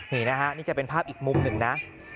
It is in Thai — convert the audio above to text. นี่นะฮะนี่จะเป็นภาพอีกมุมหนึ่งนะ